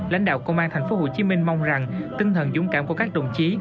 lãnh đạo công an tp hcm mong rằng tinh thần dũng cảm của các đồng chí